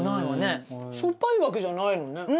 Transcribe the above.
美穂：しょっぱいわけじゃないのね。